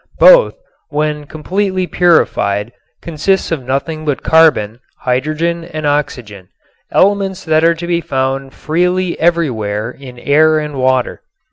Both, when completely purified, consist of nothing but carbon, hydrogen and oxygen; elements that are to be found freely everywhere in air and water.